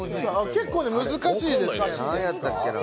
結構難しいです。